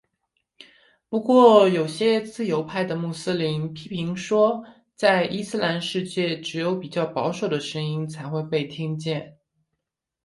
不过有些自由派的穆斯林批评说在伊斯兰世界只有比较保守声音才会被听见。